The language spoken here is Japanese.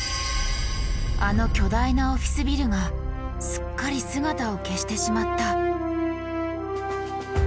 あの巨大なオフィスビルがすっかり姿を消してしまった。